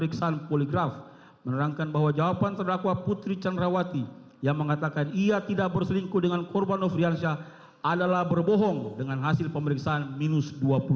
pemeriksaan poligraf menerangkan bahwa jawaban terdakwa putri candrawati yang mengatakan ia tidak berselingkuh dengan korban nofriansyah adalah berbohong dengan hasil pemeriksaan minus dua puluh